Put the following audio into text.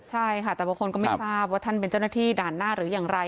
ใช่ค่ะแต่บางคนก็ไม่ทราบว่าท่านเป็นเจ้าหน้าที่ด่านหน้าหรืออย่างไร